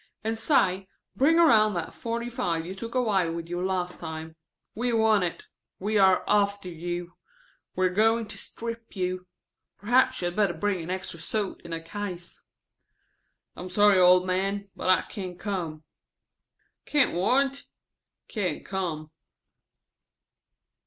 And say, bring around that forty five you took away with you last time. We want it. We are after you. We are going to strip you. Perhaps you had better bring an extra suit in a case.") "I am sorry, old man, but I can't come." ("Can't what?") "Can't come."